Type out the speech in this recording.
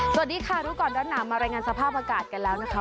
สวัสดีค่ะรู้ก่อนร้อนหนาวมารายงานสภาพอากาศกันแล้วนะคะ